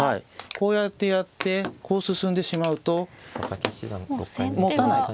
こうやってやってこう進んでしまうともたない。